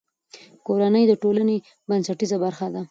کورنۍ د ټولنې بنسټیزه برخه ده.